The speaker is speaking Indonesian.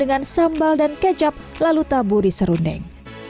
dengan sambal dan kecap lalu taburi serundeng